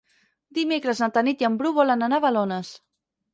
Dimecres na Tanit i en Bru volen anar a Balones.